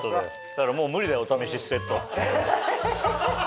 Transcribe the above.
だからもう無理だよおためしセット。え！